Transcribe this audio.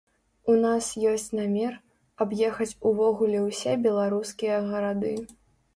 У нас ёсць намер, аб'ехаць увогуле ўсе беларускія гарады.